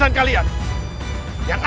yang aku yang ingin menangis ini